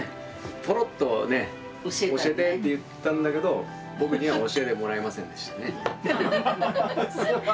ポロッとね教えてって言ったんだけど僕には教えてもらえませんでしたね。